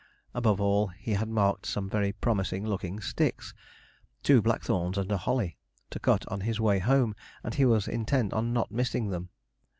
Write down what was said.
Above all, he had marked some very promising looking sticks two blackthorns and a holly to cut on his way home, and he was intent on not missing them.